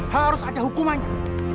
harus ada hukumannya